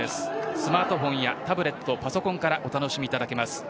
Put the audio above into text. スマートフォンやタブレットパソコンからお楽しみいただけます。